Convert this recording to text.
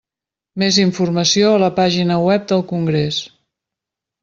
Més informació a la pàgina web del congrés.